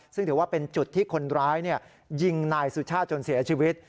ซึ่งถือว่าเป็นจุดที่คนร้ายยิงนายสุชาติจนเสียชีวิต